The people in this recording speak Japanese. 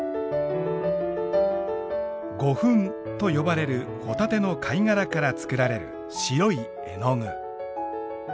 胡粉と呼ばれるホタテの貝殻から作られる白い絵の具。